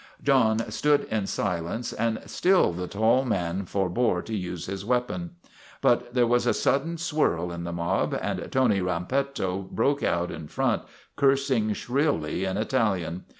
John stood in silence and still the tall man for bore to use his weapon. But there was a sudden swirl in the mob and Tony Rampetto broke out in front, cursing shrilly in Italian.